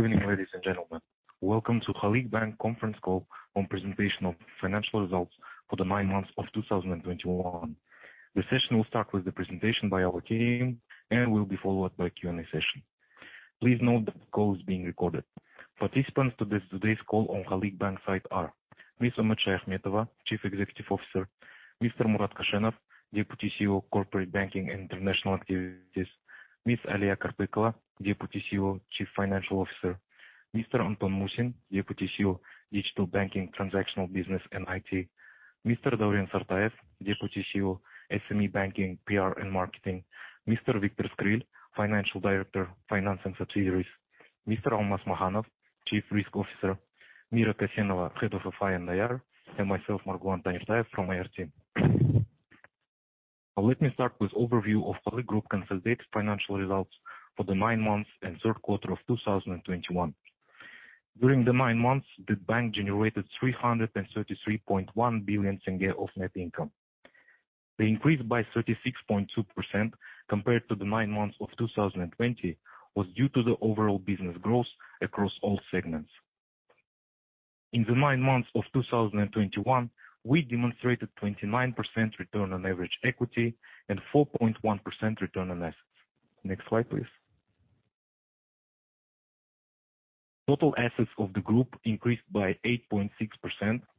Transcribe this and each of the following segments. Good evening, ladies and gentlemen. Welcome to Halyk Bank Conference Call on presentation of financial results for the nine months of 2021. The session will start with the presentation by our team and will be followed by Q&A session. Please note that the call is being recorded. Participants to today's call on Halyk Bank side are Ms. Umut Shayakhmetova, Chief Executive Officer, Mr. Murat Koshenov, Deputy CEO Corporate Banking and International Activities, Ms. Aliya Karpykova, Deputy CEO, Chief Financial Officer, Mr. Anton Musin, Deputy CEO, Digital Banking, Transactional Business, and IT, Mr. Dauren Sartayev, Deputy CEO, SME Banking, PR, and Marketing, Mr. Viktor Skryl, Financial Director, Finance, and Securities, Mr. Almas Makhanov, Chief Risk Officer, Mira Kasenova, Head of FI and IR, and myself, Margulan Tanirtayev from IR team. Now let me start with an overview of Halyk Group consolidated financial results for the nine months and third quarter of 2021. During the nine months, the bank generated KZT 333.1 billion of net income. The increase by 36.2% compared to the nine months of 2020 was due to the overall business growth across all segments. In the nine months of 2021, we demonstrated 29% return on average equity and 4.1% return on assets. Next slide, please. Total assets of the group increased by 8.6%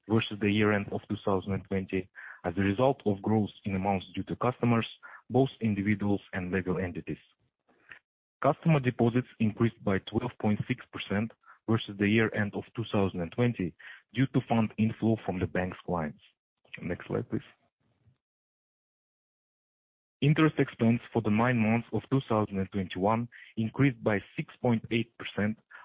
versus the year-end of 2020 as a result of growth in amounts due to customers, both individuals and legal entities. Customer deposits increased by 12.6% versus the year-end of 2020 due to fund inflow from the bank's clients. Next slide, please. Interest expense for the nine months of 2021 increased by 6.8%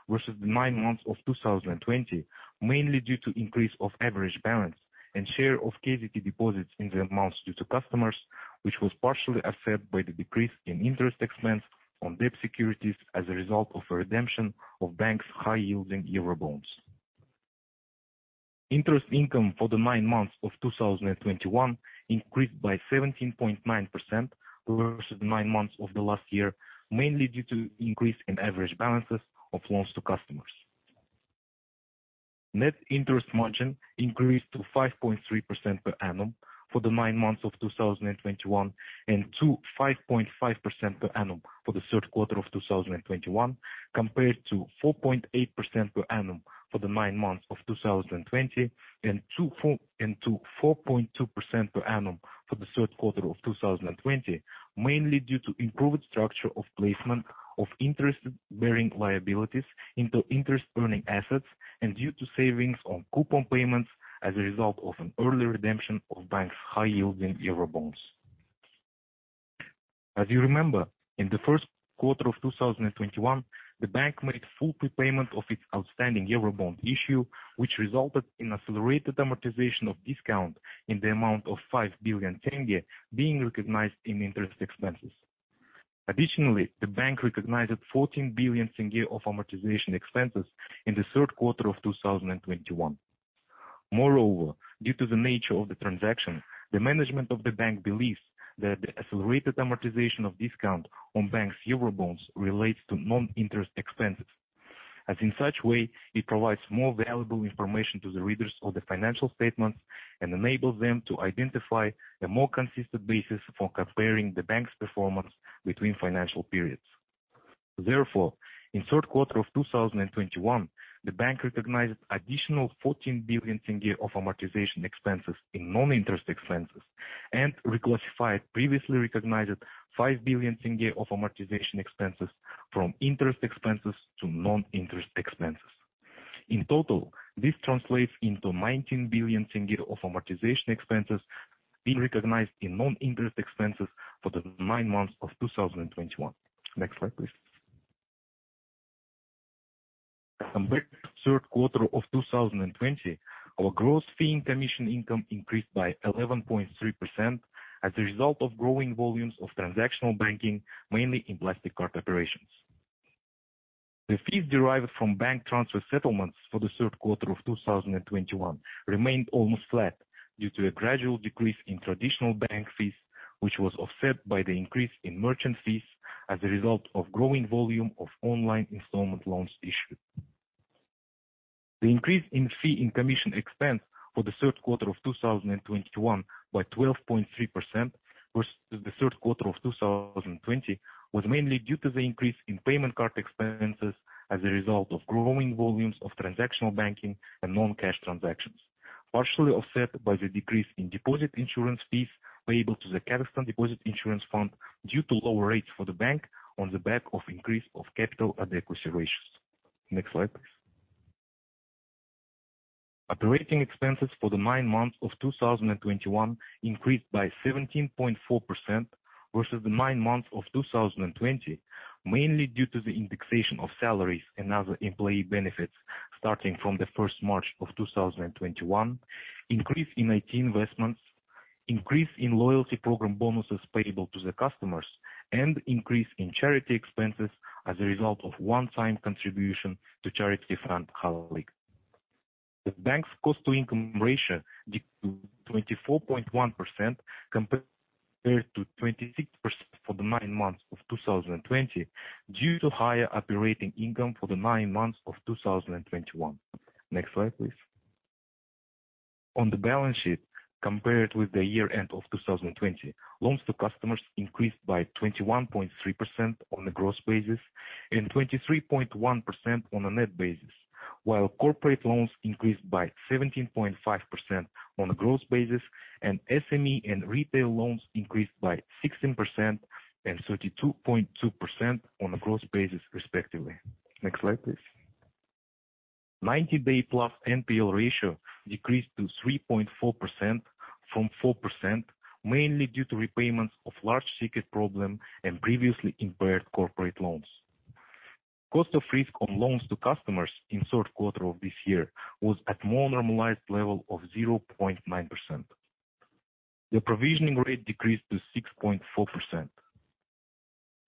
versus the nine months of 2020, mainly due to increase of average balance and share of KZT deposits in the amounts due to customers, which was partially offset by the decrease in interest expense on debt securities as a result of a redemption of bank's high-yielding Eurobonds. Interest income for the nine months of 2021 increased by 17.9% versus the nine months of the last year, mainly due to increase in average balances of loans to customers. Net interest margin increased to 5.3% per annum for the 9 months of 2021 and to 5.5% per annum for the third quarter of 2021, compared to 4.8% per annum for the 9 months of 2020 and to 4.2% per annum for the third quarter of 2020, mainly due to improved structure of placement of interest-bearing liabilities into interest-earning assets and due to savings on coupon payments as a result of an early redemption of bank's high-yielding Eurobonds. As you remember, in the first quarter of 2021, the bank made full prepayment of its outstanding Eurobond issue, which resulted in accelerated amortization of discount in the amount of KZT 5 billion being recognized in interest expenses. Additionally, the bank recognized KZT 14 billion of amortization expenses in the third quarter of 2021. Moreover, due to the nature of the transaction, the management of the bank believes that the accelerated amortization of discount on bank's Eurobonds relates to non-interest expenses. As in such way, it provides more valuable information to the readers of the financial statements and enables them to identify a more consistent basis for comparing the bank's performance between financial periods. Therefore, in the third quarter of 2021, the bank recognized additional KZT 14 billion of amortization expenses in non-interest expenses and reclassified previously recognized KZT 5 billion of amortization expenses from interest expenses to non-interest expenses. In total, this translates into KZT 19 billion of amortization expenses being recognized in non-interest expenses for the nine months of 2021. Next slide, please. Compared to third quarter of 2020, our gross fee and commission income increased by 11.3% as a result of growing volumes of transactional banking, mainly in plastic card operations. The fees derived from bank transfer settlements for the third quarter of 2021 remained almost flat due to a gradual decrease in traditional bank fees, which was offset by the increase in merchant fees as a result of growing volume of online installment loans issued. The increase in fee and commission expense for the third quarter of 2021 by 12.3% versus the third quarter of 2020 was mainly due to the increase in payment card expenses as a result of growing volumes of transactional banking and non-cash transactions, partially offset by the decrease in deposit insurance fees payable to the Kazakhstan Deposit Insurance Fund due to lower rates for the bank on the back of the increase of capital adequacy ratios. Next slide, please. Operating expenses for the nine months of 2021 increased by 17.4% versus the nine months of 2020, mainly due to the indexation of salaries and other employee benefits starting from the first March of 2021, increase in IT investments, increase in loyalty program bonuses payable to the customers, and increase in charity expenses as a result of one-time contribution to charity fund Halyk. The bank's cost to income ratio decreased to 24.1% compared to 26% for the nine months of 2020, due to higher operating income for the nine months of 2021. Next slide, please. On the balance sheet, compared with the year-end of 2020, loans to customers increased by 21.3% on a gross basis and 23.1% on a net basis, while corporate loans increased by 17.5% on a gross basis, and SME and retail loans increased by 16% and 32.2% on a gross basis respectively. Next slide, please. 90-day plus NPL ratio decreased to 3.4% from 4%, mainly due to repayments of large ticket problem and previously impaired corporate loans. Cost of risk on loans to customers in third quarter of this year was at more normalized level of 0.9%. The provisioning rate decreased to 6.4%.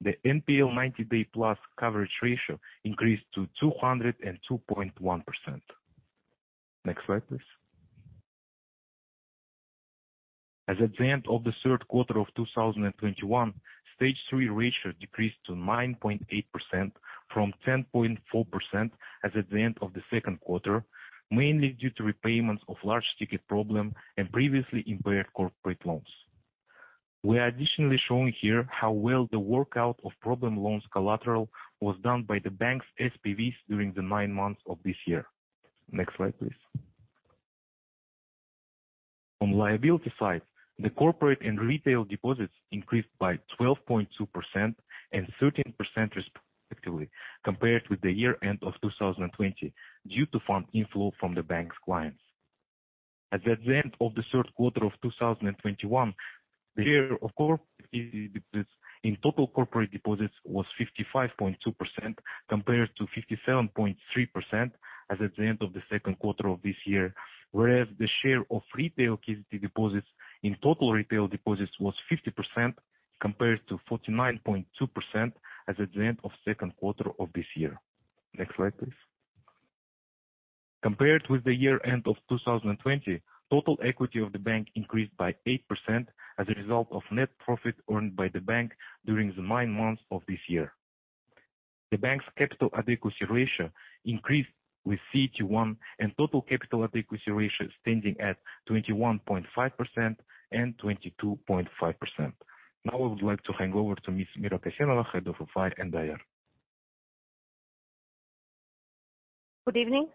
The NPL 90-day plus coverage ratio increased to 202.1%. Next slide, please. As at the end of the third quarter of 2021, Stage 3 ratio decreased to 9.8% from 10.4% as at the end of the second quarter, mainly due to repayments of large ticket problem and previously impaired corporate loans. We are additionally showing here how well the workout of problem loans collateral was done by the bank's SPVs during the nine months of this year. Next slide, please. On liability side, the corporate and retail deposits increased by 12.2% and 13% respectively compared with the year-end of 2020 due to fund inflow from the bank's clients. As at the end of the third quarter of 2021, share of corporate deposits in total deposits was 55.2% compared to 57.3% as at the end of the second quarter of this year. Whereas the share of retail deposits in total deposits was 50% compared to 49.2% as at the end of second quarter of this year. Next slide, please. Compared with year-end 2020, total equity of the bank increased by 8% as a result of net profit earned by the bank during the nine months of this year. The bank's capital adequacy ratio increased with CET1 and total capital adequacy ratio standing at 21.5% and 22.5%. Now I would like to hand over to Ms. Mira Kassenova, Head of FI and IR. Good evening.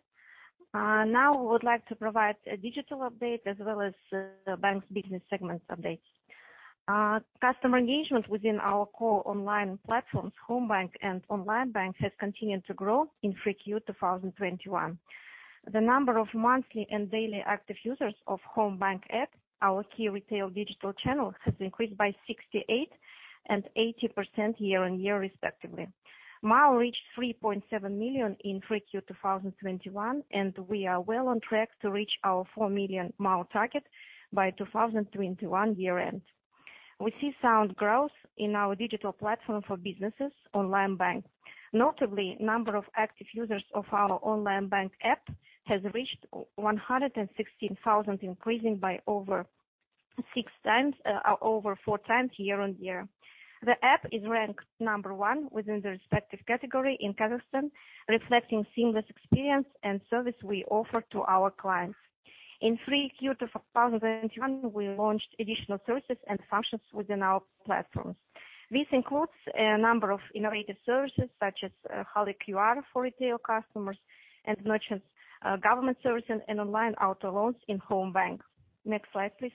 Now we would like to provide a digital update as well as the bank's business segment updates. Customer engagement within our core online platforms, Homebank and Onlinebank, has continued to grow in 3Q 2021. The number of monthly and daily active users of Homebank app, our key retail digital channel, has increased by 68% and 80% year-on-year respectively. MAU reached 3.7 million in 3Q 2021, and we are well on track to reach our 4 million MAU target by 2021 year-end. We see sound growth in our digital platform for businesses, Onlinebank. Notably, number of active users of our Onlinebank app has reached 116,000, increasing by over four times year-on-year. The app is ranked number 1 within the respective category in Kazakhstan, reflecting seamless experience and service we offer to our clients. In 3Q 2021, we launched additional services and functions within our platforms. This includes a number of innovative services such as Halyk QR for retail customers and merchants, government services, and online auto loans in Homebank. Next slide, please.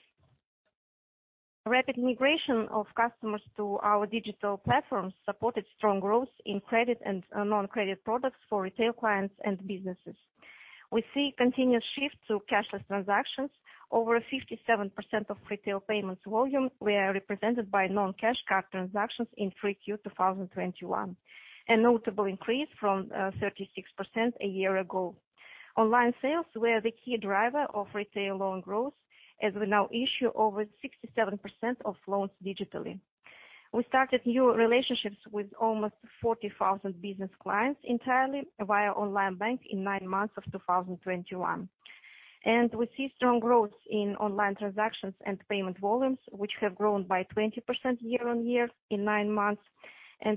Rapid migration of customers to our digital platforms supported strong growth in credit and non-credit products for retail clients and businesses. We see continuous shift to cashless transactions. Over 57% of retail payments volume were represented by non-cash card transactions in 3Q 2021, a notable increase from 36% a year ago. Online sales were the key driver of retail loan growth, as we now issue over 67% of loans digitally. We started new relationships with almost 40,000 business clients entirely via Onlinebank in nine months of 2021. We see strong growth in online transactions and payment volumes, which have grown by 20% year-on-year in nine months.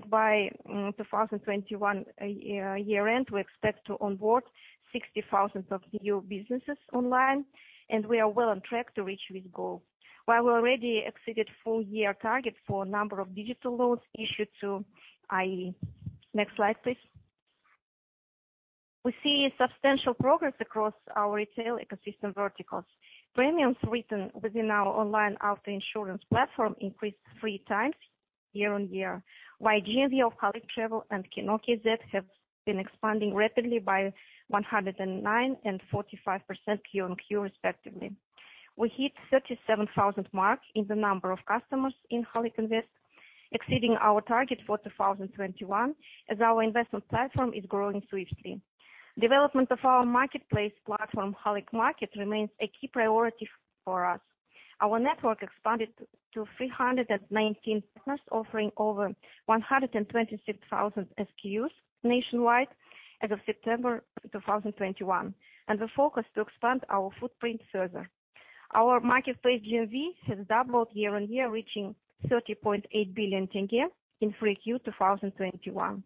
By 2021 year-end, we expect to onboard 60,000 new businesses online, and we are well on track to reach this goal. While we already exceeded full year target for number of digital loans issued to IE. Next slide, please. We see substantial progress across our retail ecosystem verticals. Premiums written within our online auto insurance platform increased 3x year-on-year, while GMV of Halyk Travel and Kino.kz have been expanding rapidly by 109% and 45% quarter-on-quarter respectively. We hit 37,000 mark in the number of customers in Halyk Invest, exceeding our target for 2021 as our investment platform is growing swiftly. Development of our marketplace platform, Halyk Market, remains a key priority for us. Our network expanded to 319 partners offering over 126,000 SKUs nationwide as of September 2021, and we forecast to expand our footprint further. Our marketplace GMV has doubled year-on-year, reaching KZT 30.8 billion in 3Q 2021.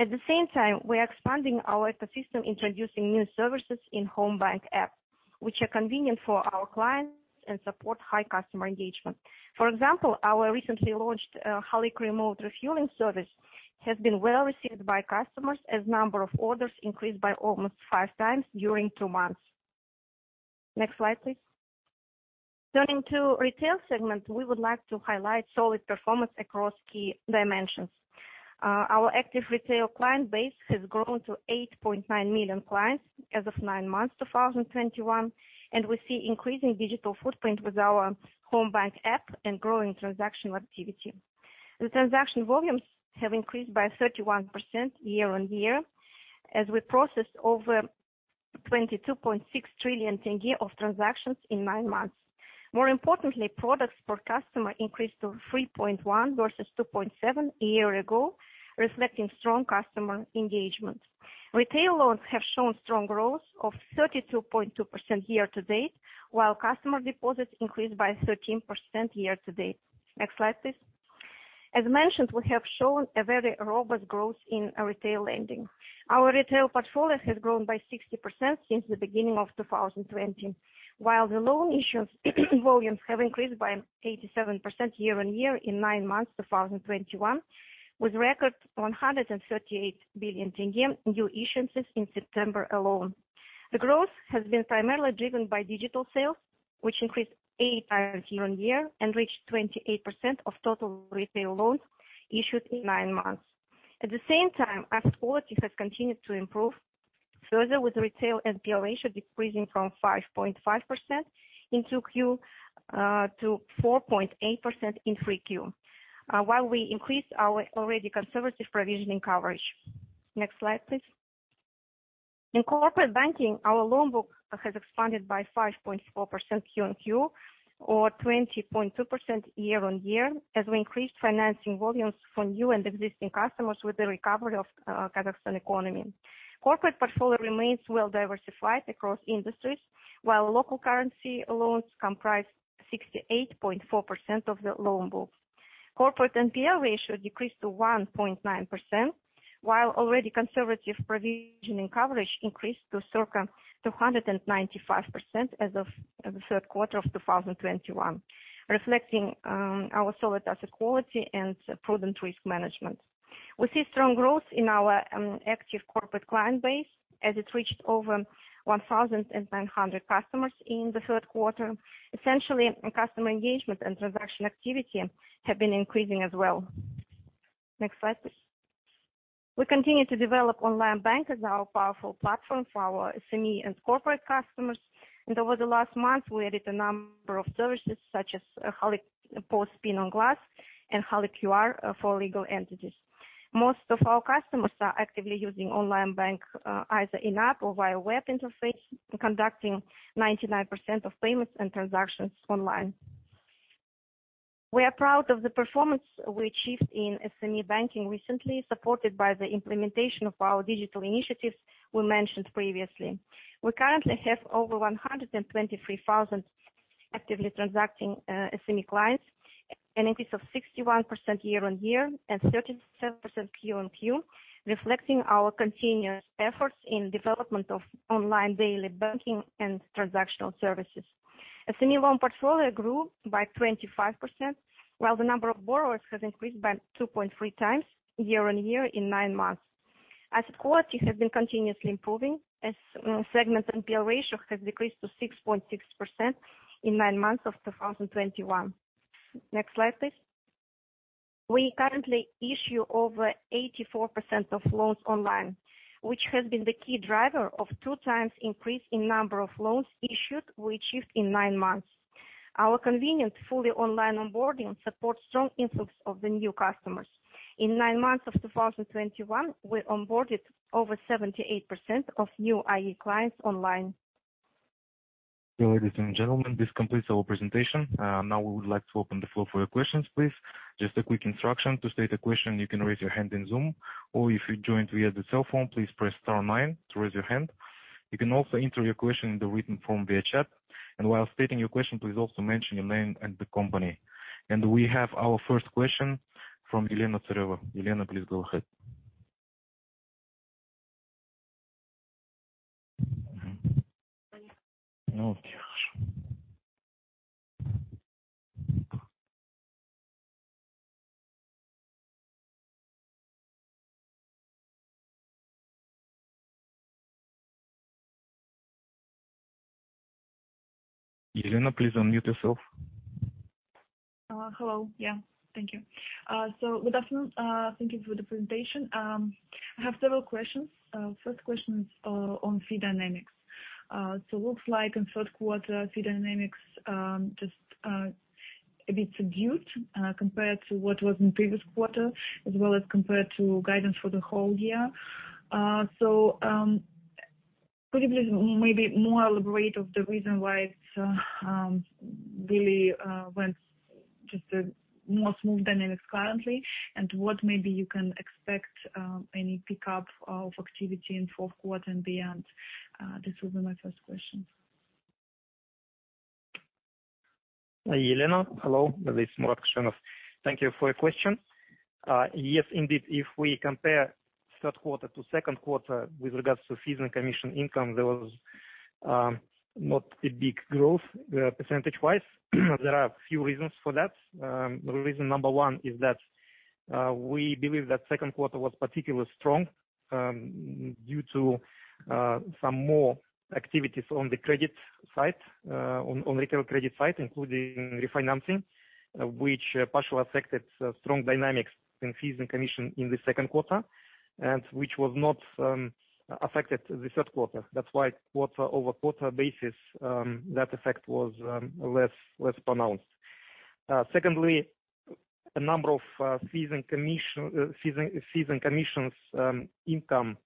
At the same time, we are expanding our ecosystem, introducing new services in Homebank app, which are convenient for our clients and support high customer engagement. For example, our recently launched Halyk remote refueling service has been well received by customers as number of orders increased by almost 5x during two months. Next slide, please. Turning to retail segment, we would like to highlight solid performance across key dimensions. Our active retail client base has grown to 8.9 million clients as of nine months, 2021, and we see increasing digital footprint with our Homebank app and growing transactional activity. The transaction volumes have increased by 31% year-on-year as we processed over KZT 22.6 trillion tenge of transactions in nine months. More importantly, products per customer increased to 3.1 versus 2.7 a year ago, reflecting strong customer engagement. Retail loans have shown strong growth of 32.2% year-to-date, while customer deposits increased by 13% year-to-date. Next slide, please. As mentioned, we have shown a very robust growth in our retail lending. Our retail portfolio has grown by 60% since the beginning of 2020, while the loan issuance volumes have increased by 87% year-on-year in nine months, 2021, with record KZT 138 billion new issuances in September alone. The growth has been primarily driven by digital sales, which increased eight times year-on-year and reached 28% of total retail loans issued in nine months. At the same time, asset quality has continued to improve further with retail NPL ratio decreasing from 5.5% in 2Q to 4.8% in 3Q while we increased our already conservative provisioning coverage. Next slide, please. In corporate banking, our loan book has expanded by 5.4% Q-o-Q or 20.2% year-on-year, as we increased financing volumes from new and existing customers with the recovery of Kazakhstan economy. Corporate portfolio remains well diversified across industries, while local currency loans comprise 68.4% of the loan book. Corporate NPL ratio decreased to 1.9%, while already conservative provisioning coverage increased to circa 295% as of the third quarter of 2021, reflecting our solid asset quality and prudent risk management. We see strong growth in our active corporate client base as it reached over 1,900 customers in the third quarter. Essentially, customer engagement and transaction activity have been increasing as well. Next slide, please. We continue to develop online bank as our powerful platform for our SME and corporate customers. Over the last month, we added a number of services such as Halyk POS Pin on Glass and Halyk QR for legal entities. Most of our customers are actively using online bank, either in app or via web interface, conducting 99% of payments and transactions online. We are proud of the performance we achieved in SME banking recently, supported by the implementation of our digital initiatives we mentioned previously. We currently have over 123,000 actively transacting SME clients, an increase of 61% year-on-year and 37% Q-on-Q, reflecting our continuous efforts in development of online daily banking and transactional services. SME loan portfolio grew by 25%, while the number of borrowers has increased by 2.3x year-on-year in nine months. Asset quality has been continuously improving as segment NPL ratio has decreased to 6.6% in nine months of 2021. Next slide, please. We currently issue over 84% of loans online, which has been the key driver of 2x increase in number of loans issued we achieved in nine months. Our convenient fully online onboarding supports strong influx of the new customers. In nine months of 2021, we onboarded over 78% of new IE clients online. Ladies and gentlemen, this completes our presentation. Now we would like to open the floor for your questions, please. Just a quick instruction. To state a question you can raise your hand in Zoom, or if you joined via the cell phone, please press star nine to raise your hand. You can also enter your question in the written form via chat. While stating your question, please also mention your name and the company. We have our first question from Elena Tsareva. Elena, please go ahead. Elena, please unmute yourself. Hello. Thank you. Good afternoon. Thank you for the presentation. I have several questions. First question is on fee dynamics. Looks like in third quarter fee dynamics just a bit subdued compared to what was in previous quarter, as well as compared to guidance for the whole year. Could you please maybe more elaborate of the reason why it's really went just a more smooth dynamics currently, and what maybe you can expect any pickup of activity in fourth quarter and beyond? This will be my first question. Elena, hello. This is Murat Koshenov. Thank you for your question. Yes, indeed. If we compare third quarter to second quarter with regards to fees and commission income, there was not a big growth, percentage wise. There are a few reasons for that. Reason number one is that, we believe that second quarter was particularly strong, due to, some more activities on the credit side, on retail credit side, including refinancing, which partially affected strong dynamics in fees and commission in the second quarter, and which was not affected the third quarter. That's why quarter-over-quarter basis, that effect was less pronounced. Secondly, a number of fees and commissions income,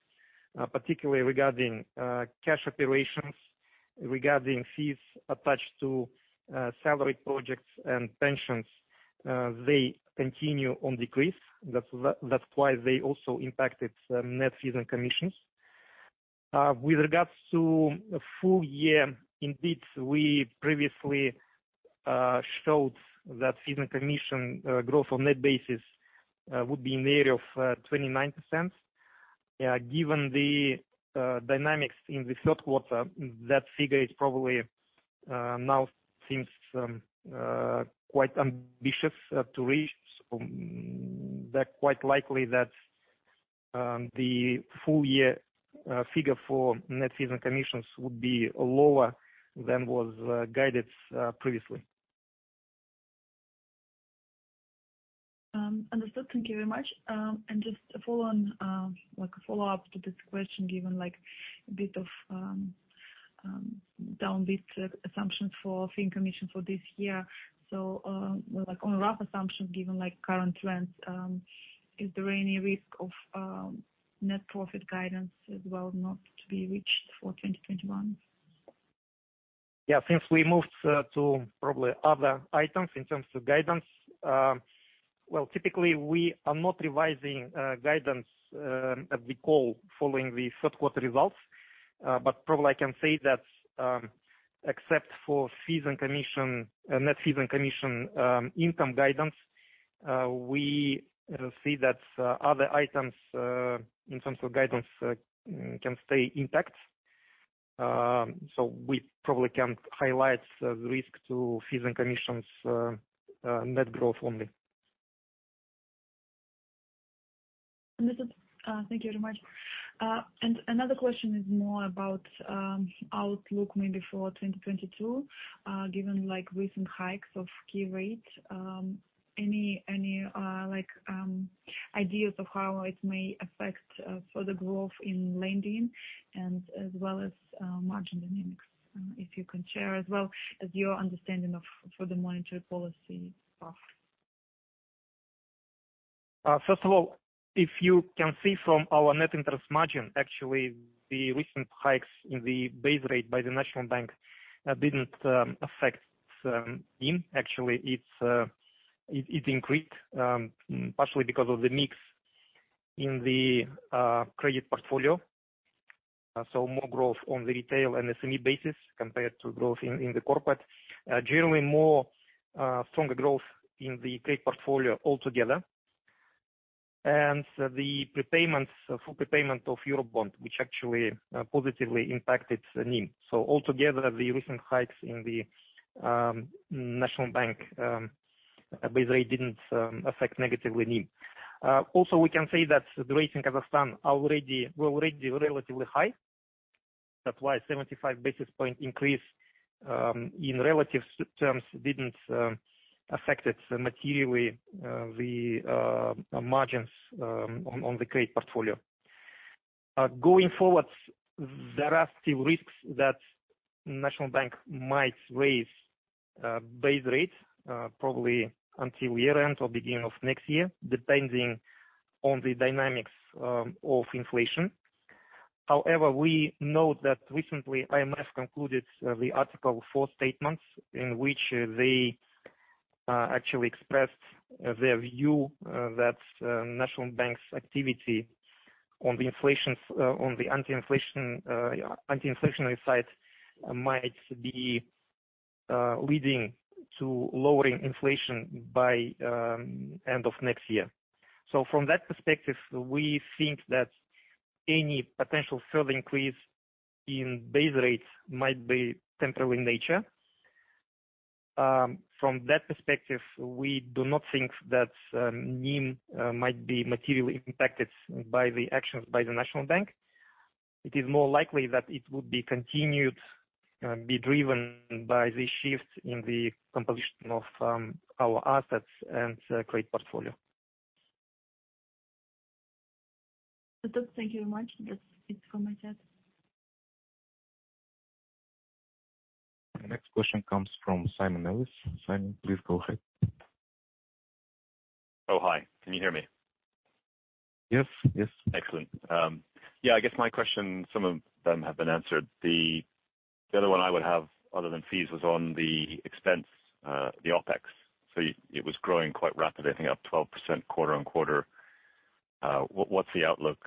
particularly regarding cash operations, regarding fees attached to salary projects and pensions, they continue to decrease. That's why they also impacted net fees and commissions. With regards to full-year, indeed, we previously showed that fees and commissions growth on net basis would be in the area of 29%. Given the dynamics in the third quarter, that figure is probably now seems quite ambitious to reach. It's quite likely that the full-year figure for net fees and commissions would be lower than was guided previously. Understood. Thank you very much. Just a follow on, like a follow-up to this question, given like a bit of downbeat assumption for fee and commission for this year. Like on a rough assumption, given like current trends, is there any risk of net profit guidance as well not to be reached for 2021? Yeah. Since we moved to probably other items in terms of guidance. Well, typically, we are not revising guidance as we call following the third quarter results. Probably I can say that, except for fees and commission, net fees and commission income guidance, we see that other items in terms of guidance can stay intact. We probably can highlight the risk to fees and commissions net growth only. Understood. Thank you very much. Another question is more about outlook maybe for 2022. Given like recent hikes of key rates, any like ideas of how it may affect further growth in lending as well as margin dynamics, if you can share as well as your understanding of further monetary policy path. First of all, if you can see from our net interest margin, actually the recent hikes in the base rate by the National Bank of Kazakhstan didn't affect NIM. Actually it increased partially because of the mix in the credit portfolio. More growth on the retail and SME basis compared to growth in the corporate. Generally more stronger growth in the credit portfolio altogether. The prepayments, full prepayment of Eurobond, which actually positively impacted the NIM. Altogether, the recent hikes in the National Bank of Kazakhstan basically didn't affect negatively NIM. Also we can say that the rates in Kazakhstan already were relatively high. That's why 75 basis point increase in relative terms didn't affect it materially, the margins on the credit portfolio. Going forward, there are still risks that National Bank might raise base rates probably until year end or beginning of next year, depending on the dynamics of inflation. However, we note that recently IMF concluded the Article IV statements in which they actually expressed their view that National Bank's activity on the inflation, on the anti-inflationary side might be leading to lowering inflation by end of next year. From that perspective, we think that any potential further increase in base rates might be temporary in nature. From that perspective, we do not think that NIM might be materially impacted by the actions by the National Bank. It is more likely that it would continue to be driven by the shift in the composition of our assets and credit portfolio. Thank you very much. That's it for my side. The next question comes from Simon Ellis. Simon, please go ahead. Oh, hi. Can you hear me? Yes. Yes. Excellent. I guess my question, some of them have been answered. The other one I would have other than fees was on the expense, the OpEx. It was growing quite rapidly, I think up 12% quarter-on-quarter. What's the outlook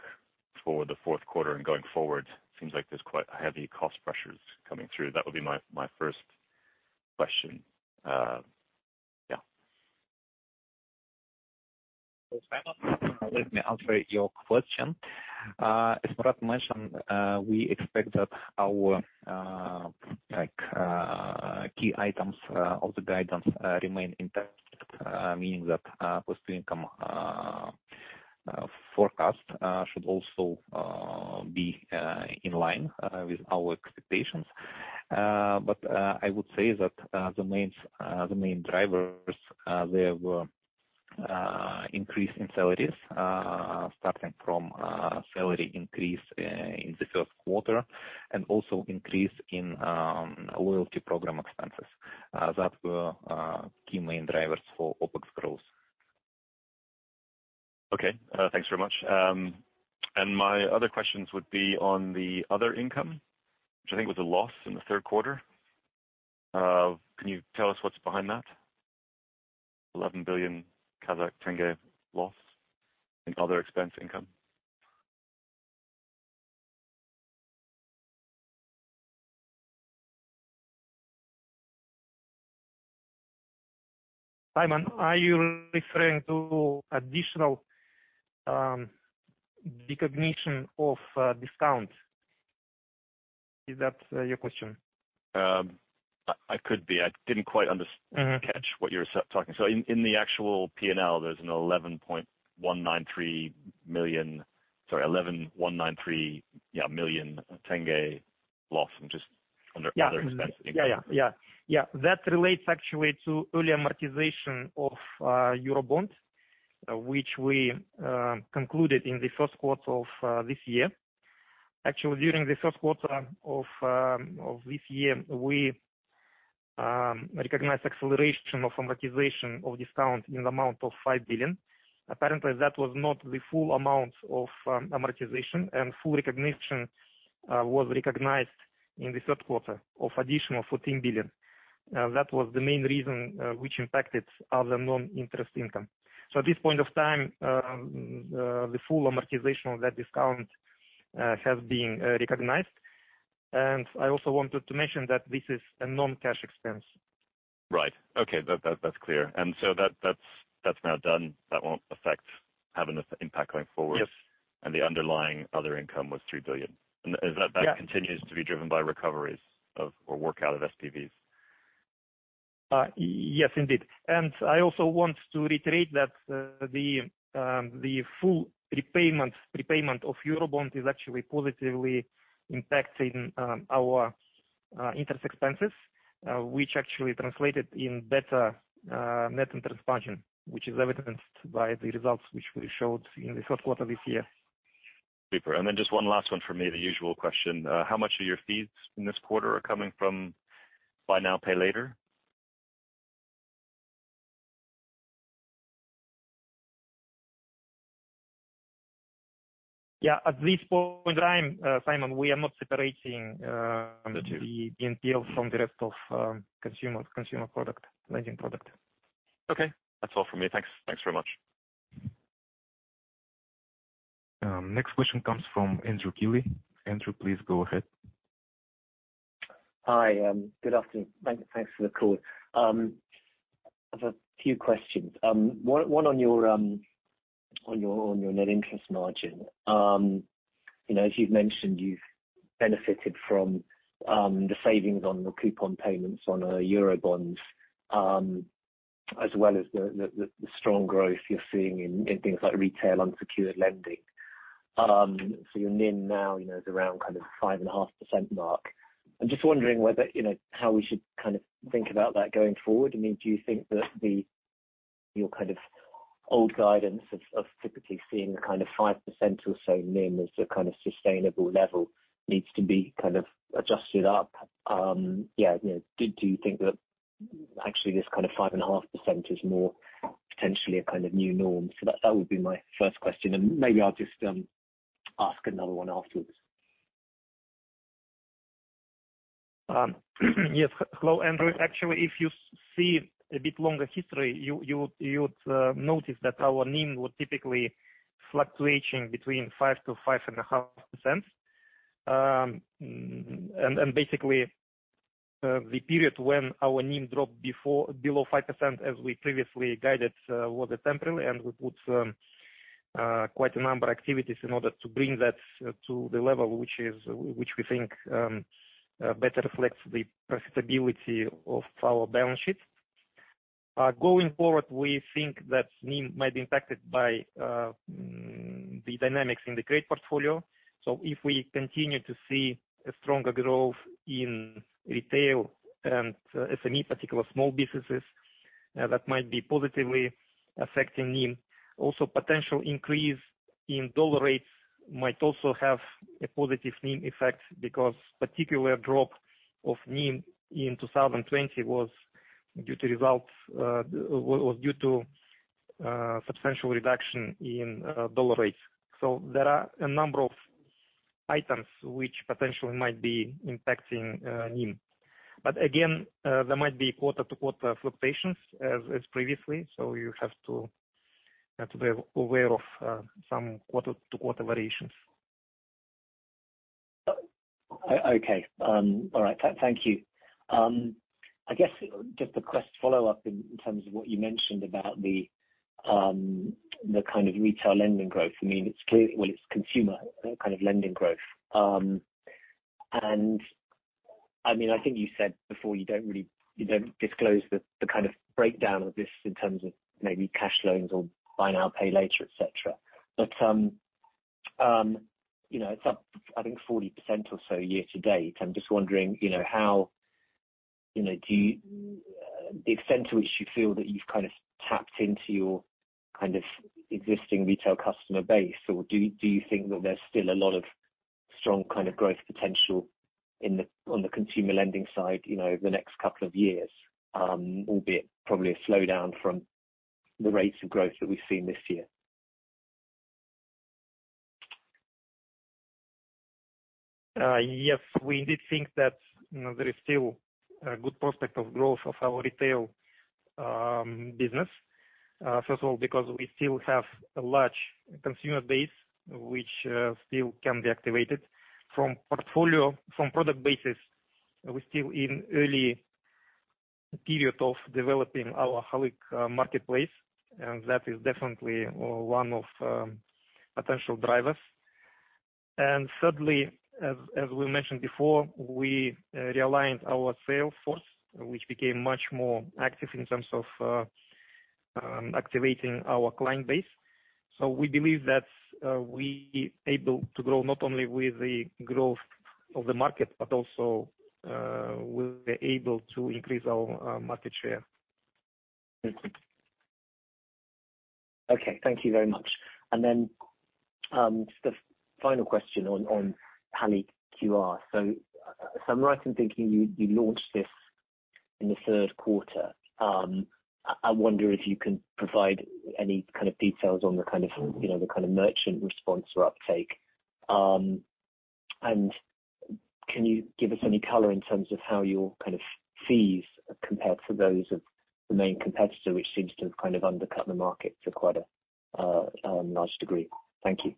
for the fourth quarter and going forward? Seems like there's quite heavy cost pressures coming through. That would be my first question. Simon, let me answer your question. As Murat mentioned, we expect that our like key items of the guidance remain intact, meaning that profit forecast should also be in line with our expectations. I would say that the main drivers they were increase in salaries starting from salary increase in the first quarter and also increase in loyalty program expenses that were key drivers for OpEx growth. Okay. Thanks very much. My other questions would be on the other income, which I think was a loss in the third quarter. Can you tell us what's behind that KZT 11 billion loss in other expense income? Simon, are you referring to additional recognition of discount? Is that your question? I could be. I didn't quite under- Mm-hmm. In the actual P&L, there's an KZT 11,193 million loss from just under- Yeah. Other expense income. That relates actually to early amortization of Eurobond which we concluded in the first quarter of this year. Actually, during the first quarter of this year, we recognized acceleration of amortization of discount in the amount of KZT 5 billion. Apparently, that was not the full amount of amortization, and full recognition was recognized in the third quarter of additional KZT 14 billion. That was the main reason which impacted other non-interest income. At this point of time, the full amortization of that discount has been recognized. I also wanted to mention that this is a non-cash expense. Right. Okay. That's clear. That's now done. That won't affect having this impact going forward. Yes. The underlying other income was KZT 3 billion. Yeah. That continues to be driven by recoveries of or work out of SPVs. Yes, indeed. I also want to reiterate that the full repayment of Eurobond is actually positively impacting our interest expenses, which actually translated in better net interest margin, which is evidenced by the results which we showed in the first quarter this year. Super. Just one last one for me, the usual question. How much of your fees in this quarter are coming from buy now, pay later? Yeah. At this point in time, Simon, we are not separating the BNPL from the rest of consumer product lending product. Okay. That's all for me. Thanks. Thanks very much. Next question comes from Andrew Keeley. Andrew, please go ahead. Hi. Good afternoon. Thank you. Thanks for the call. I have a few questions. One on your net interest margin. You know, as you've mentioned, you've benefited from the savings on the coupon payments on Eurobonds, as well as the strong growth you're seeing in things like retail unsecured lending. So your NIM now, you know, is around kind of 5.5% mark. I'm just wondering whether, you know, how we should kind of think about that going forward. I mean, do you think that your kind of old guidance of typically seeing kind of 5% or so NIM as a kind of sustainable level needs to be kind of adjusted up? Yeah. You know, do you think that actually this kind of 5.5% is more potentially a kind of new norm? That would be my first question. Maybe I'll just ask another one afterwards. Hello, Andrew. Actually, if you see a bit longer history, you would notice that our NIM would typically fluctuating between 5%-5.5%. Basically, the period when our NIM dropped to below 5% as we previously guided was temporary, and we put quite a number of activities in order to bring that to the level which we think better reflects the profitability of our balance sheet. Going forward, we think that NIM might be impacted by the dynamics in the credit portfolio. If we continue to see a stronger growth in retail and SME, particularly small businesses, that might be positively affecting NIM. Also potential increase in dollar rates might also have a positive NIM effect because particular drop of NIM in 2020 was due to substantial reduction in dollar rates. There are a number of items which potentially might be impacting NIM. Again, there might be quarter-to-quarter fluctuations as previously, so you have to be aware of some quarter-to-quarter variations. Okay. All right. Thank you. I guess just a quick follow-up in terms of what you mentioned about the kind of retail lending growth. I mean, it's clear. Well, it's consumer kind of lending growth. I mean, I think you said before, you don't disclose the kind of breakdown of this in terms of maybe cash loans or buy now, pay later, et cetera. You know, it's up I think 40% or so year-to-date. I'm just wondering, you know, how... You know, the extent to which you feel that you've kind of tapped into your kind of existing retail customer base, or do you think that there's still a lot of strong kind of growth potential in the, on the consumer lending side, you know, over the next couple of years, albeit probably a slowdown from the rates of growth that we've seen this year? Yes. We indeed think that, you know, there is still a good prospect of growth of our retail business. First of all, because we still have a large consumer base which still can be activated. From product basis, we're still in early period of developing our Halyk Market, and that is definitely one of potential drivers. And thirdly, as we mentioned before, we realigned our sales force, which became much more active in terms of activating our client base. We believe that we able to grow not only with the growth of the market, but also, we're able to increase our market share. Okay. Thank you very much. Then, just a final question on Halyk QR. So if I'm right in thinking you launched this in the third quarter, I wonder if you can provide any kind of details on the kind of merchant response or uptake. Can you give us any color in terms of how your kind of fees compare to those of the main competitor, which seems to have kind of undercut the market for quite a large degree? Thank you.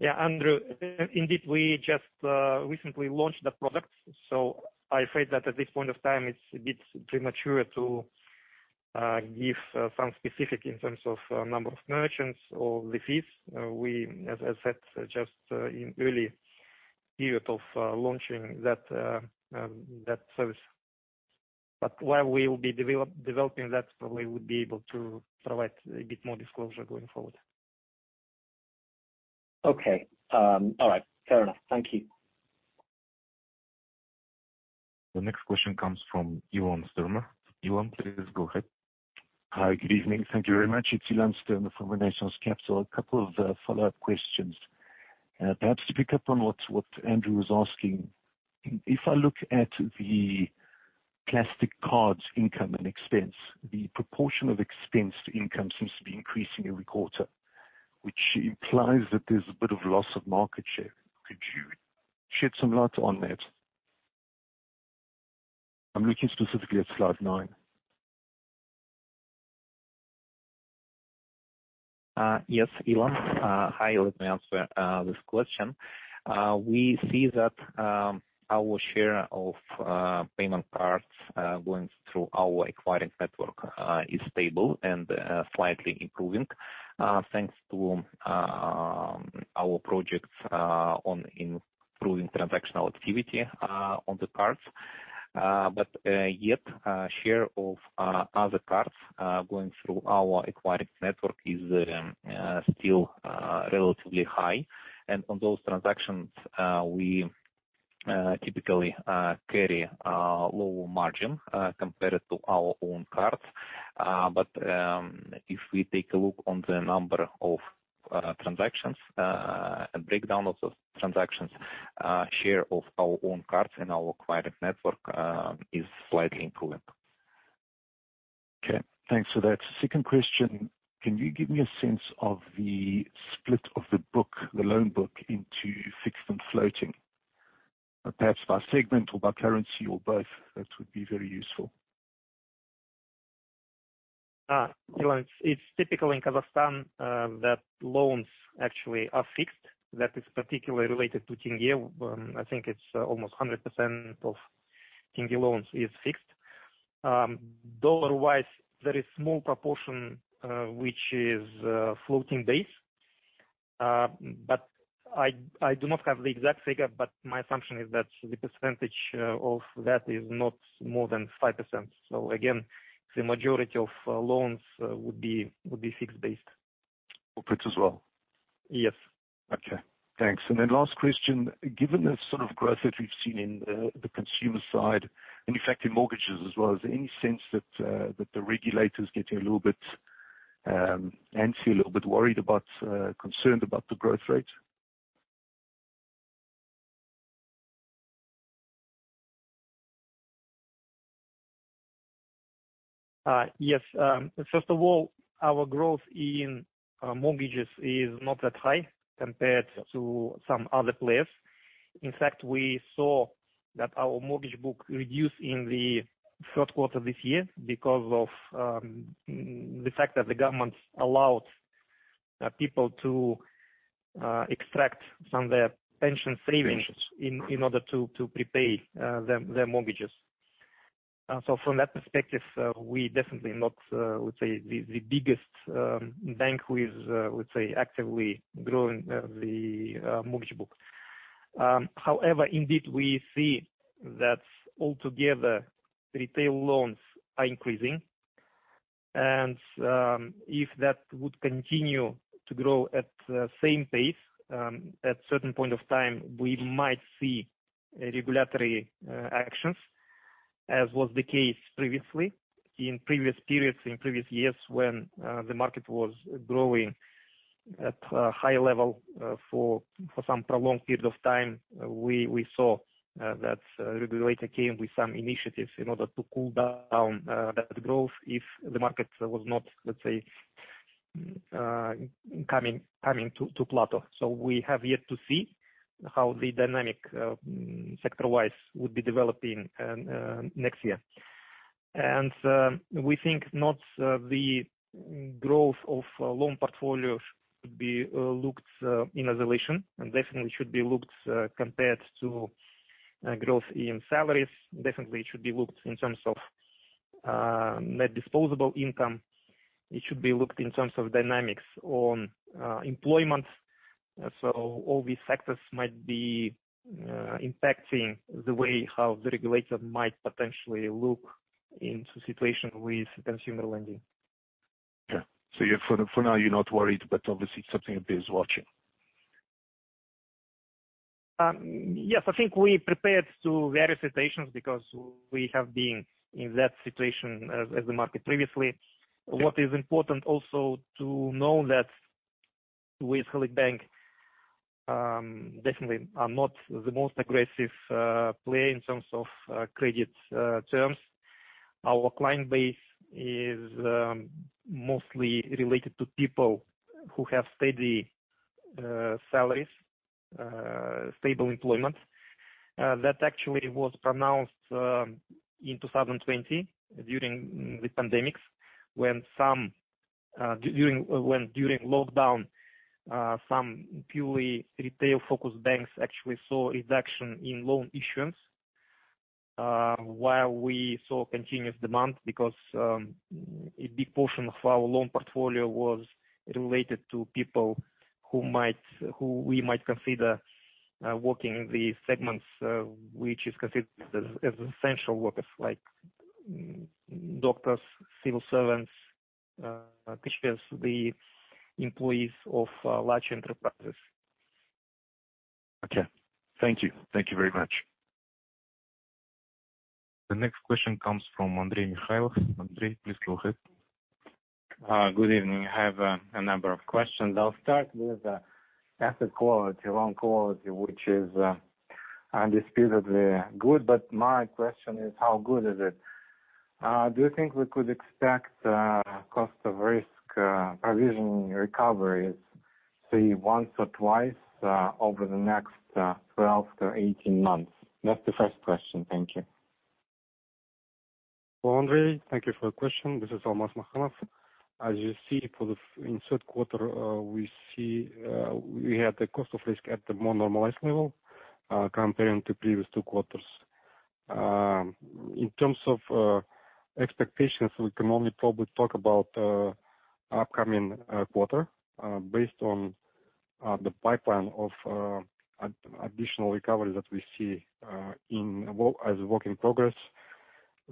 Yeah. Andrew, indeed, we just recently launched the product. I afraid that at this point of time it's a bit premature to give some specific in terms of number of merchants or the fees. We, as I said, just in early period of launching that service. While we will be developing that, probably would be able to provide a bit more disclosure going forward. Okay. All right. Fair enough. Thank you. The next question comes from Ilan Stermer. Ilan, please go ahead. Hi. Good evening. Thank you very much. It's Ilan Stermer from Renaissance Capital. A couple of follow-up questions. Perhaps to pick up on what Andrew was asking. If I look at the plastic cards income and expense, the proportion of expense to income seems to be increasing every quarter, which implies that there's a bit of loss of market share. Could you shed some light on that? I'm looking specifically at slide nine. Yes, Ilan. Hi. Let me answer this question. We see that our share of payment cards going through our acquiring network is stable and slightly improving, thanks to our projects on improving transactional activity on the cards. Yet, share of other cards going through our acquiring network is still relatively high. On those transactions, we typically carry a lower margin compared to our own cards. If we take a look on the number of transactions and breakdown of those transactions, share of our own cards and our acquiring network is slightly improving. Okay. Thanks for that. Second question. Can you give me a sense of the split of the book, the loan book into fixed and floating? Perhaps by segment or by currency or both, that would be very useful. Ilan, it's typical in Kazakhstan that loans actually are fixed. That is particularly related to tenge. I think it's almost 100% of tenge loans is fixed. Dollar-wise, there is small proportion which is floating rate. But I do not have the exact figure, but my assumption is that the percentage of that is not more than 5%. So again, the majority of loans would be fixed rate. Corporate as well? Yes. Okay. Thanks. Last question. Given the sort of growth that we've seen in the consumer side and in fact in mortgages as well, is there any sense that that the regulator is getting a little bit antsy, a little bit worried about concerned about the growth rate? Yes. First of all, our growth in mortgages is not that high compared to some other players. In fact, we saw that our mortgage book reduced in the third quarter this year because of the fact that the government allowed people to extract some of their pension savings. Savings In order to prepay their mortgages. So from that perspective, we definitely would not say the biggest bank which is actively growing the mortgage book. However, indeed we see that altogether retail loans are increasing and if that would continue to grow at the same pace, at certain point of time, we might see regulatory actions as was the case previously. In previous periods, in previous years when the market was growing at a high level, for some prolonged period of time, we saw that regulator came with some initiatives in order to cool down that growth if the market was not, let's say, coming to plateau. We have yet to see how the dynamic, sector-wise would be developing next year. We think the growth of loan portfolios could not be looked in isolation, and definitely should be looked compared to growth in salaries. It should be looked in terms of net disposable income. It should be looked in terms of dynamics on employment. All these factors might be impacting the way how the regulator might potentially look into situation with consumer lending. Okay. Yeah, for now you're not worried, but obviously it's something that bears watching. Yes. I think we prepared to various situations because we have been in that situation as the market previously. Yes. What is important also to know that with Halyk Bank definitely are not the most aggressive player in terms of credit terms. Our client base is mostly related to people who have steady salaries, stable employment. That actually was pronounced in 2020 during the pandemic when, during lockdown, some purely retail-focused banks actually saw reduction in loan issuance while we saw continuous demand because a big portion of our loan portfolio was related to people who we might consider working the segments which is considered as essential workers like doctors, civil servants, teachers, the employees of large enterprises. Okay. Thank you. Thank you very much. The next question comes from Andrey Mikhailov. Andrey, please go ahead. Good evening. I have a number of questions. I'll start with asset quality, loan quality, which is undisputedly good, but my question is how good is it? Do you think we could expect, Cost of Risk, provision recovery, say, once or twice over the next 12-18 months? That's the first question. Thank you. Well, Andrey, thank you for your question. This is Almas Makhanov. As you see, in third quarter we had the cost of risk at the more normalized level comparing to previous two quarters. In terms of expectations, we can only probably talk about upcoming quarter based on the pipeline of additional recovery that we see in the works as work in progress.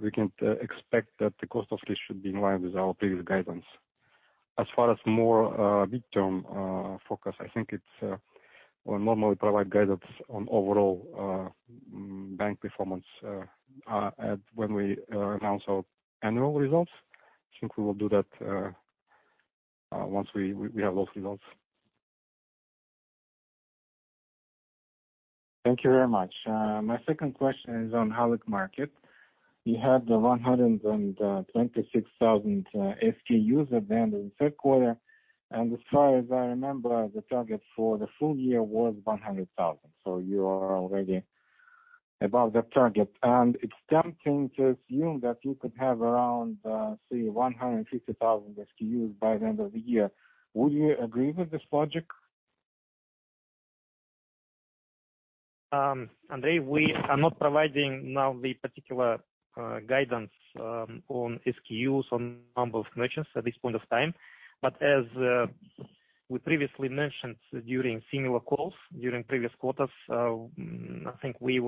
We can expect that the cost of risk should be in line with our previous guidance. As far as more mid-term focus, I think we normally provide guidance on overall bank performance when we announce our annual results. I think we will do that once we have those results. Thank you very much. My second question is on Halyk Market. You had 126,000 SKUs at the end of the third quarter, and as far as I remember, the target for the full-year was 100,000. You are already above that target. It's tempting to assume that you could have around, say 150,000 SKUs by the end of the year. Would you agree with this logic? Andrey, we are not providing now the particular guidance on SKUs or number of merchants at this point of time. As we previously mentioned during similar calls during previous quarters, I think we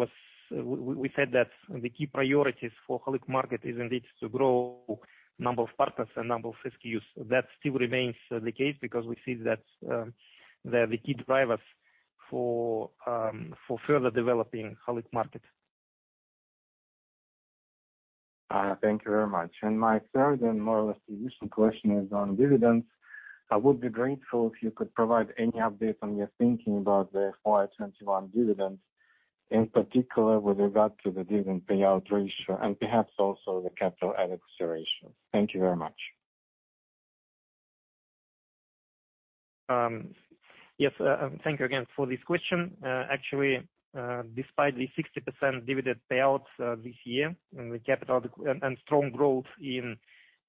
said that the key priorities for Halyk Market is indeed to grow number of partners and number of SKUs. That still remains the case because we see that they're the key drivers for further developing Halyk Market. Thank you very much. My third and more or less the recent question is on dividends. I would be grateful if you could provide any updates on your thinking about the FY 2021 dividends, in particular with regard to the dividend payout ratio and perhaps also the capital allocation ratio. Thank you very much. Yes. Thank you again for this question. Actually, despite the 60% dividend payout this year and the capital and strong growth in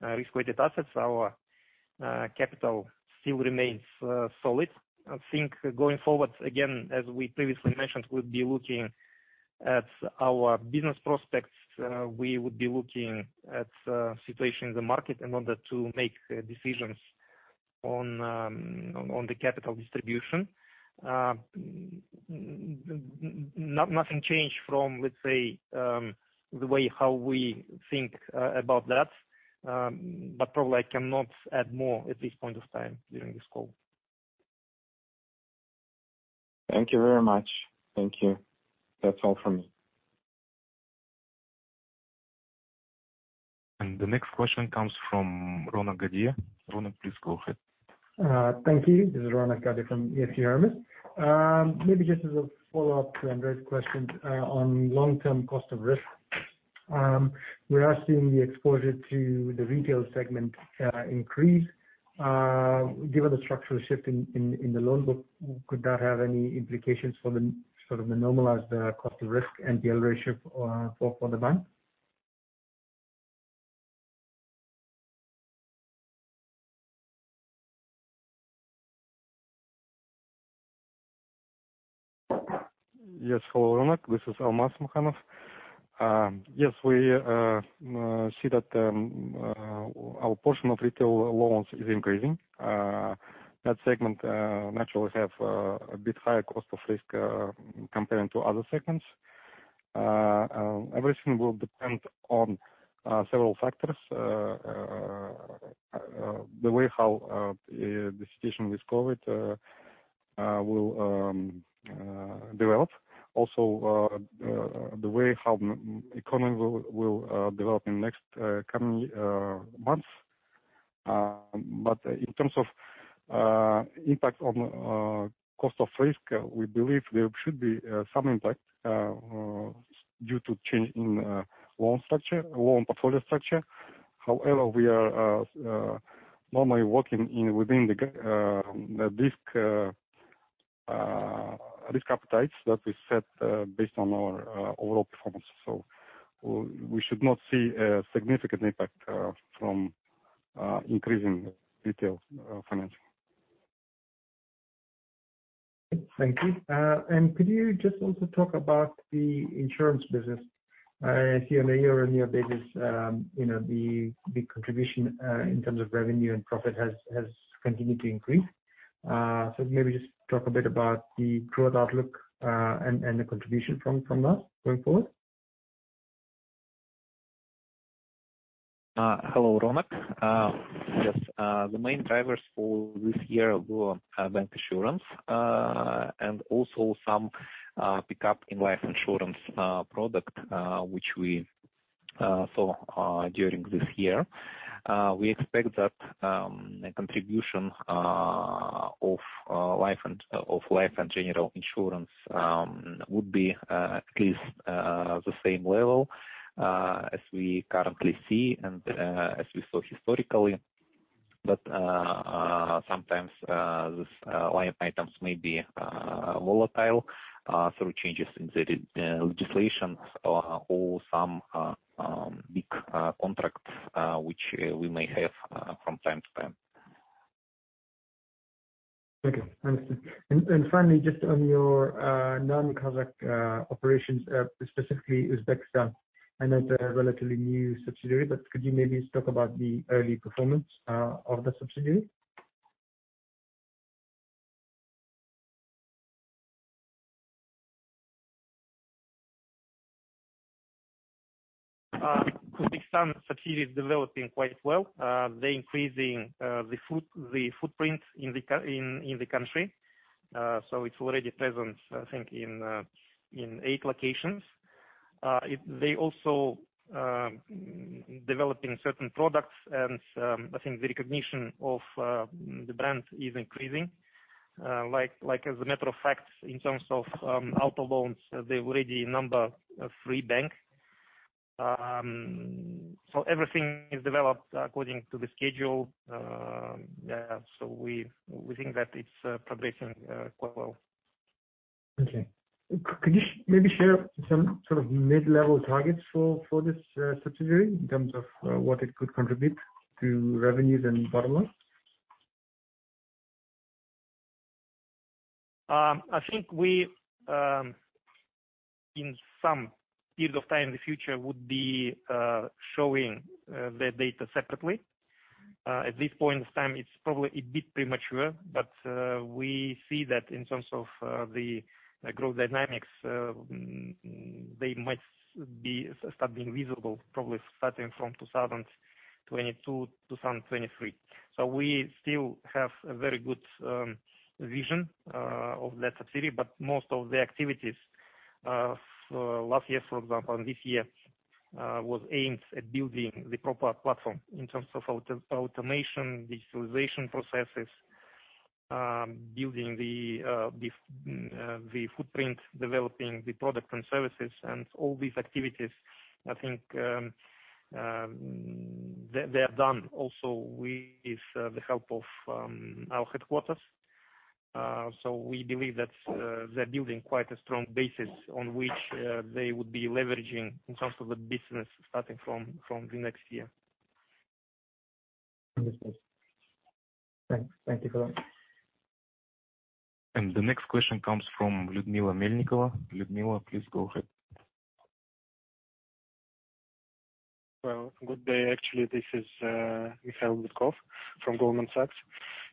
risk-weighted assets, our capital still remains solid. I think going forward, again, as we previously mentioned, we'll be looking at our business prospects. We would be looking at situation in the market in order to make decisions on the capital distribution. Nothing changed from, let's say, the way how we think about that. But probably I cannot add more at this point of time during this call. Thank you very much. Thank you. That's all from me. The next question comes from Ronak Gadhia. Ronak, please go ahead. Thank you. This is Ronak Gadhia from EFG Hermes. Maybe just as a follow-up to Andrey's question on long-term cost of risk. We're seeing the exposure to the retail segment increase given the structural shift in the loan book. Could that have any implications for the sort of the normalized cost of risk NPL ratio for the bank? Yes. Hello, Ronak. This is Almas Makhanov. Yes, we see that our portion of retail loans is increasing. That segment naturally have a bit higher cost of risk comparing to other segments. Everything will depend on several factors. The way how the situation with COVID will develop. Also, the way how economy will develop in next coming months. But in terms of impact on cost of risk, we believe there should be some impact due to change in loan structure, loan portfolio structure. However, we are normally working within the risk appetite that we set based on our overall performance. We should not see a significant impact from increasing retail financing. Thank you. Could you just also talk about the insurance business? I see on a year-on-year basis, the contribution in terms of revenue and profit has continued to increase. Maybe just talk a bit about the growth outlook and the contribution from that going forward. Hello, Ronak. Yes. The main drivers for this year were bank insurance and also some pickup in life insurance product which we saw during this year. We expect that the contribution of life and general insurance would be at least the same level as we currently see and as we saw historically. Sometimes this line items may be volatile through changes in the legislation or some big contracts which we may have from time to time. Okay. Understood. Finally, just on your non-Kazakh operations, specificallynUzbekistan. I know it's a relatively new subsidiary, but could you maybe talk about the early performance of the subsidiary? Uzbekistan subsidiary is developing quite well. They're increasing the footprint in the country. It's already present, I think, in eight locations. They also developing certain products and I think the recognition of the brand is increasing. Like as a matter of fact, in terms of auto loans, they're already number three bank. Everything is developed according to the schedule. Yeah, we think that it's progressing quite well. Okay. Could you maybe share some sort of mid-level targets for this subsidiary in terms of what it could contribute to revenues and bottom line? I think we in some period of time in the future would be showing the data separately. At this point in time, it's probably a bit premature, but we see that in terms of the growth dynamics, they might start being visible probably starting from 2022-2023. We still have a very good vision of that city. Most of the activities last year, for example, and this year was aimed at building the proper platform in terms of automation, visualization processes, building the footprint, developing the product and services. All these activities, I think, they are done also with the help of our headquarters. We believe that they're building quite a strong basis on which they would be leveraging in terms of the business starting from the next year. Understood. Thank you very much. The next question comes from Ludmila Melnikova. Ludmila, please go ahead. Well, good day. Actually, this is Mikhail Butkov from Goldman Sachs.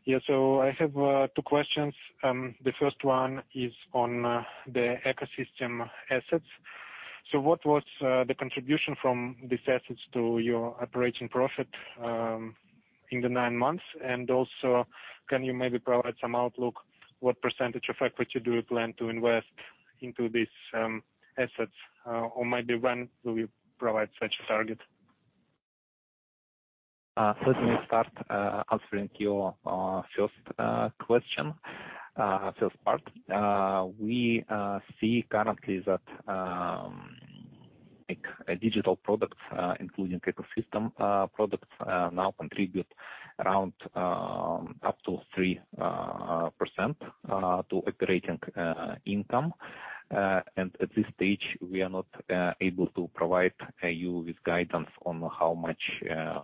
Yeah. I have two questions. The first one is on the ecosystem assets. What was the contribution from these assets to your operating profit in the nine months? And also, can you maybe provide some outlook, what percentage of equity do you plan to invest into these assets? Or maybe when will you provide such a target? Let me start answering your first question. First part, we see currently that, like, digital products, including ecosystem, products, now contribute around up to 3% to operating income. At this stage, we are not able to provide you with guidance on how much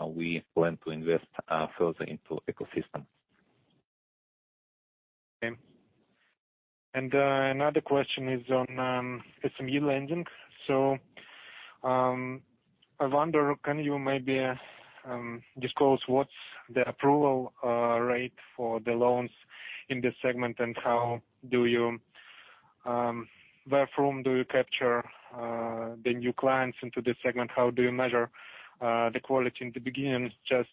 we plan to invest further into ecosystem. Okay. Another question is on SME lending. I wonder, can you maybe disclose what's the approval rate for the loans in this segment? And where from do you capture the new clients into this segment? How do you measure the quality in the beginning? Just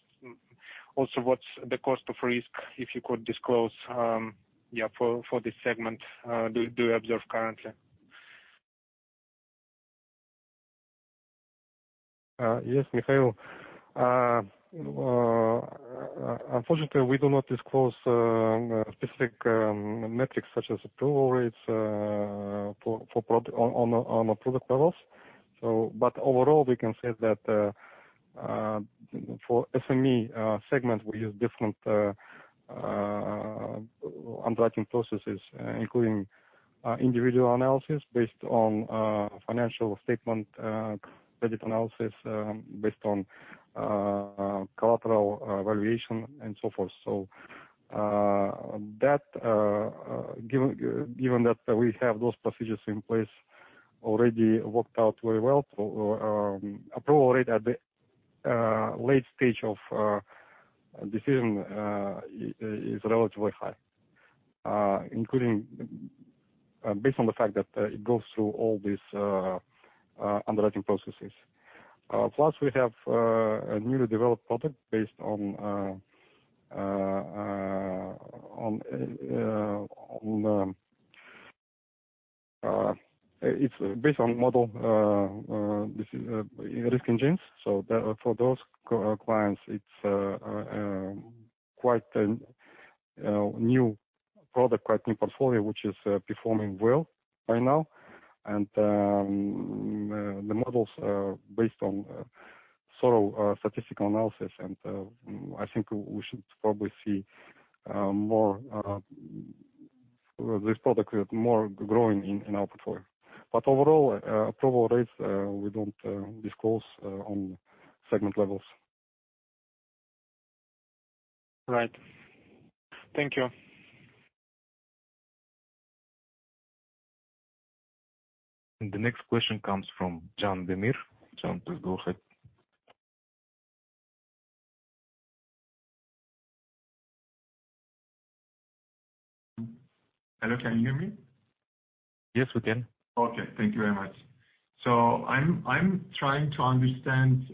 also, what's the Cost of Risk, if you could disclose yeah for this segment, do you observe currently? Yes, Mikhail. Unfortunately, we do not disclose specific metrics such as approval rates for product on a product levels. But overall, we can say that for SME segment, we use different underwriting processes, including individual analysis based on financial statement, credit analysis based on collateral valuation and so forth. Given that we have those procedures in place already worked out very well. Approval rate at the late stage of decision is relatively high, including based on the fact that it goes through all these underwriting processes. Plus we have a newly developed product. It's based on model risk engines. For those clients, it's quite a new product, quite new portfolio, which is performing well right now. The models are based on thorough statistical analysis. I think we should probably see more of this product growing in our portfolio. Overall, approval rates we don't disclose on segment levels. Right. Thank you. The next question comes from Can Demir. Can, please go ahead. Hello, can you hear me? Yes, we can. Okay. Thank you very much. I'm trying to understand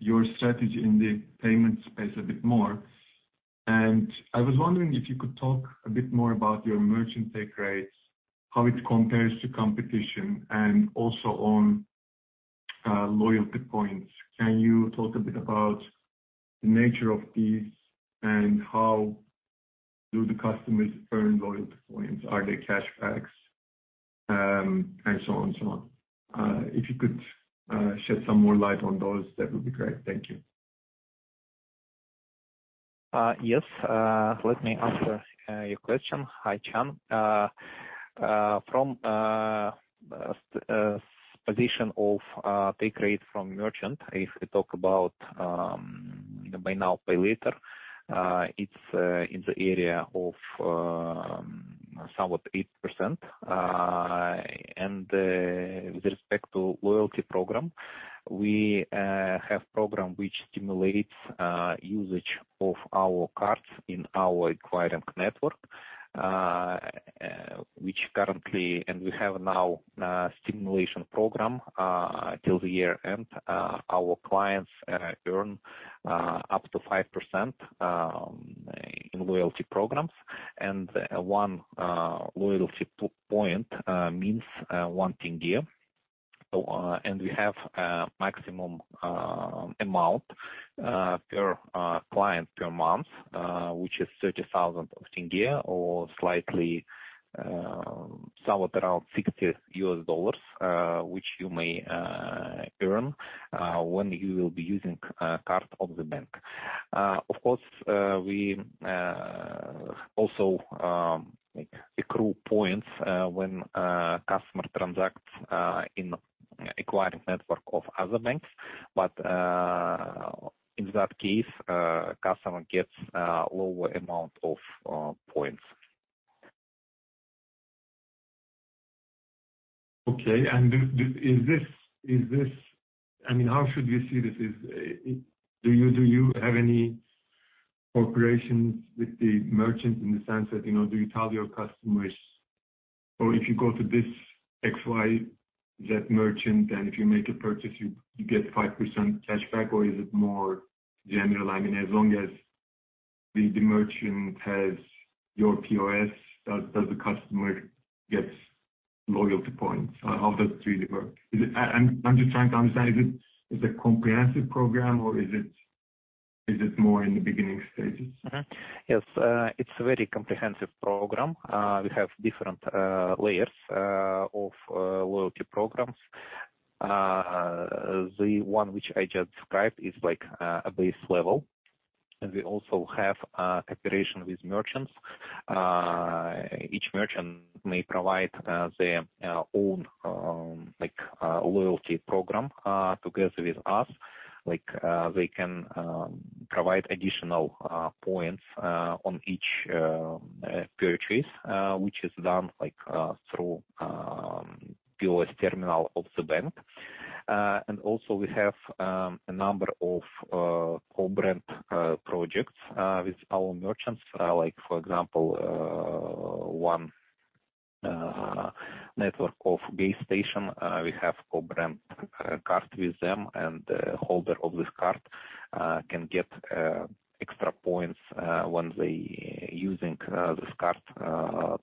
your strategy in the payment space a bit more. I was wondering if you could talk a bit more about your merchant take rates, how it compares to competition, and also on loyalty points. Can you talk a bit about the nature of these and how do the customers earn loyalty points? Are they cashbacks? And so on and so on. If you could shed some more light on those, that would be great. Thank you. Yes. Let me answer your question. Hi, Can. From position of take rate from merchant, if we talk about buy now, pay later, it's in the area of somewhat 8%. With respect to loyalty program We have program which stimulates usage of our cards in our acquiring network. We have now stimulation program till the year end. Our clients earn up to 5% in loyalty programs. One loyalty point means 1 KZT. We have maximum amount per client per month, which is 30,000 KZT or slightly somewhat around $60, which you may earn when you will be using a card of the bank. Of course, we also accrue points when a customer transacts in acquiring network of other banks. In that case, customer gets a lower amount of points. Okay. Is this? I mean, how should we see this? Is it? Do you have any cooperation with the merchant in the sense that, you know, do you tell your customers or if you go to this XY, that merchant, and if you make a purchase, you get 5% cashback, or is it more general? I mean, as long as the merchant has your POS, does the customer gets loyalty points? How does it really work? I'm just trying to understand, is it a comprehensive program or is it more in the beginning stages? Yes. It's a very comprehensive program. We have different layers of loyalty programs. The one which I just described is like a base level. We also have cooperation with merchants. Each merchant may provide their own like loyalty program together with us. Like, they can provide additional points on each purchase which is done like through POS terminal of the bank. We also have a number of co-brand projects with our merchants. Like, for example, one network of gas station, we have co-brand card with them, and the holder of this card can get extra points when they using this card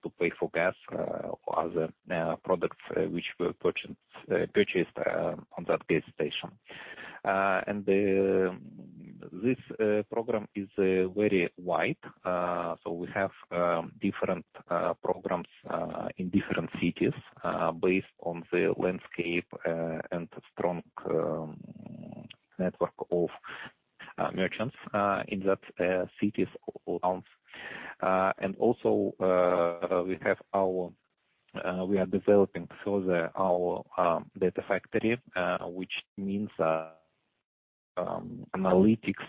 to pay for gas or other products which were purchased on that gas station. This program is very wide. We have different programs in different cities based on the landscape and strong network of merchants in those cities or towns. We are developing further our data factory, which means analytics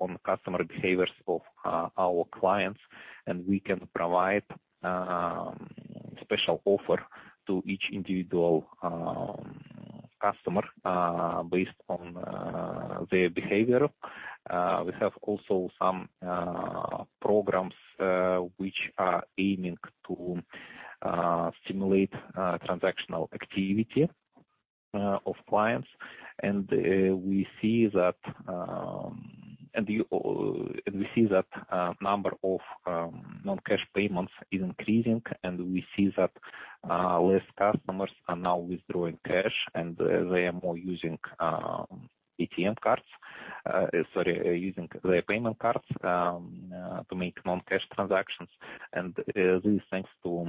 on customer behaviors of our clients. We can provide special offer to each individual customer based on their behavior. We have also some programs which are aiming to stimulate transactional activity of clients. We see that number of non-cash payments is increasing, and we see that less customers are now withdrawing cash, and they are more using their payment cards to make non-cash transactions. This is thanks to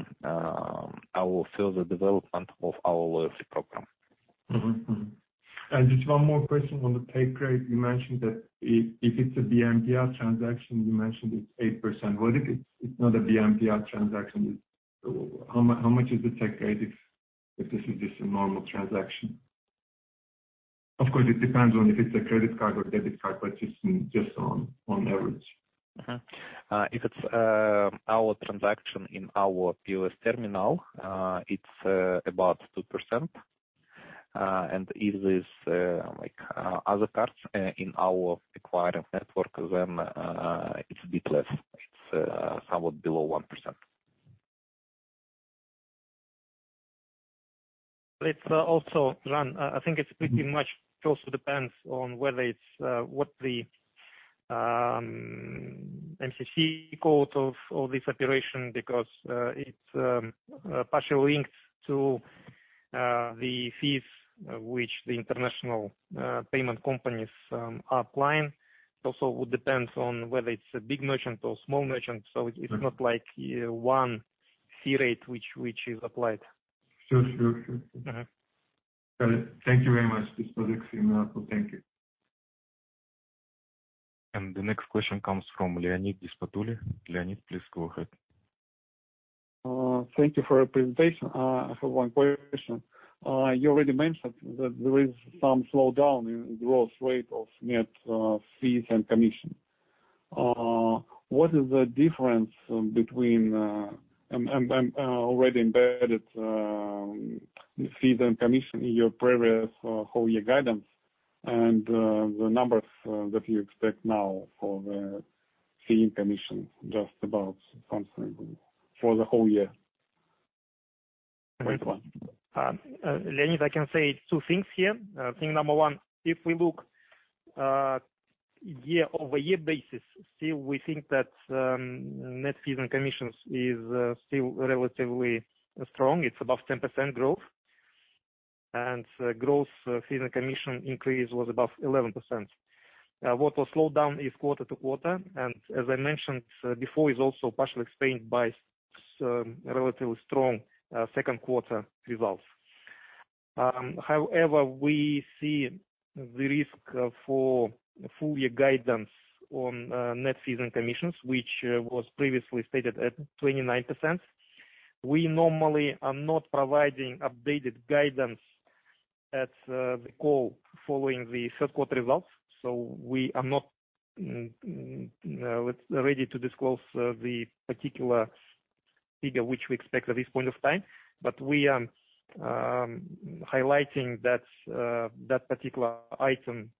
our further development of our loyalty program. Mm-hmm. Mm-hmm. Just one more question on the take rate. You mentioned that if it's a BNPL transaction, you mentioned it's 8%. What if it's not a BNPL transaction? How much is the take rate if this is just a normal transaction? Of course, it depends on if it's a credit card or debit card, but just on average. If it's our transaction in our POS terminal, it's about 2%. If it's like other cards in our acquiring network, then it's a bit less. It's somewhat below 1%. I think it's pretty much also depends on whether it's what the MCC code of this operation, because it's partially linked to the fees which the international payment companies apply. It also would depends on whether it's a big merchant or small merchant. It's not like one fee rate which is applied. Sure. Uh-huh. Got it. Thank you very much. This was Yakov Levikov. Thank you. The next question comes from Leonid Despatov. Leonid, please go ahead. Thank you for your presentation. I have one question. You already mentioned that there is some slowdown in growth rate of net fees and commission. What is the difference between the fee and commission income already embedded in your previous full-year guidance and the numbers that you expect now for the fee and commission, just about consistent for the whole year? Leonid, I can say two things here. Thing number one, if we look year-over-year basis, still we think that net fees and commissions is still relatively strong. It's above 10% growth. Growth fee and commission increase was above 11%. What was slowed down is quarter-over-quarter, and as I mentioned before, is also partially explained by relatively strong second quarter results. However, we see the risk for full-year guidance on net fees and commissions, which was previously stated at 29%. We normally are not providing updated guidance at the call following the third quarter results. We are not ready to disclose the particular figure which we expect at this point of time. We are highlighting that that particular item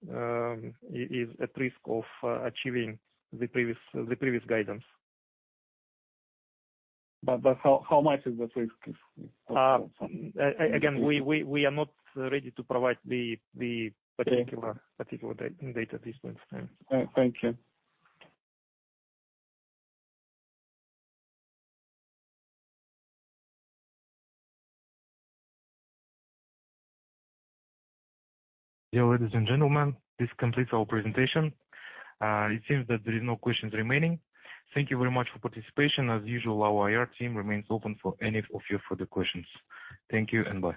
is at risk of achieving the previous guidance. How much is the risk if? Again, we are not ready to provide the particular data at this point in time. Thank you. Yeah. Ladies and gentlemen, this completes our presentation. It seems that there is no questions remaining. Thank you very much for participation. As usual, our IR team remains open for any of your further questions. Thank you and bye.